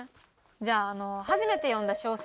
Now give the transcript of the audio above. じゃああの初めて読んだ小説は？